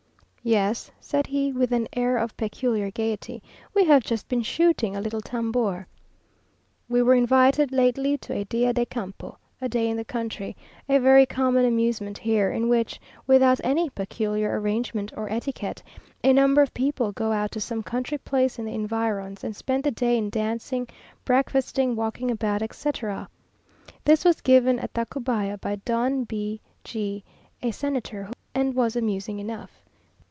"Yes," said he, with an air of peculiar gaiety; "we have just been shooting a little tambour."... We were invited, lately, to a "día de campo" (a day in the country), a very common amusement here, in which, without any peculiar arrangement or etiquette, a number of people go out to some country place in the environs, and spend the day in dancing, breakfasting, walking about, etc. This was given at Tacubaya by Don B o G a, a senator, and was amusing enough.